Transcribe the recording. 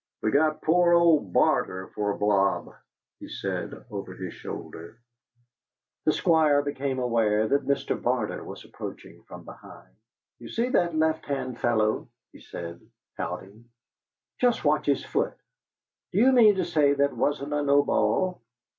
"We got poor old Barter for a 'blob'." he said over his shoulder. The Squire became aware that Mr. Barter was approaching from behind. "You see that left hand fellow?" he said, pouting. "Just watch his foot. D'you mean to say that wasn't a no ball?